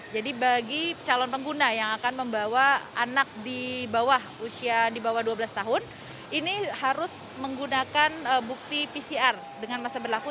jadi bagi calon pengguna yang akan membawa anak di bawah usia di bawah dua belas tahun ini harus menggunakan bukti pcr dengan masa berlaku tiga x dua